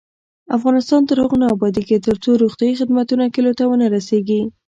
افغانستان تر هغو نه ابادیږي، ترڅو روغتیایی خدمتونه کلیو ته ونه رسیږي.